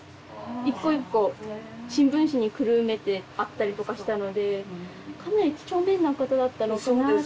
一個一個新聞紙にくるめてあったりとかしたのでかなり几帳面な方だったのかなと思います。